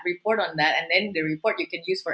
dan kemudian anda bisa menggunakan laporan itu untuk segalanya